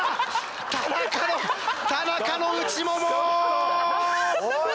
田中の田中の内ももおい！